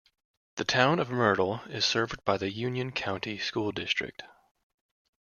The town of Myrtle is served by the Union County School District.